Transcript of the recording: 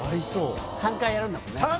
３回やるんだもんね